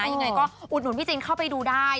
ยังไงก็อุดหนุนพี่จินเข้าไปดูได้